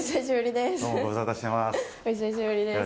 お久しぶりです。